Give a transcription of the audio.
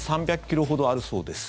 １３００ｋｍほどあるそうです。